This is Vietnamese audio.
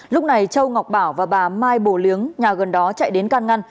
lúc này châu ngọc bảo và bà mai bồ liếng nhà gần đó chạy đến can ngăn